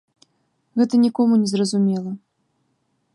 Гэта нікому не зразумела.